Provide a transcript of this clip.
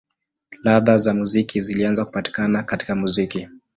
Ladha za muziki zilianza kupatikana katika muziki.